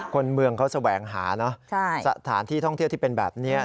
คนเมืองเขาแสวงหาเนอะสถานที่ท่องเที่ยวที่เป็นแบบนี้